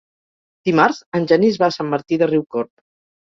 Dimarts en Genís va a Sant Martí de Riucorb.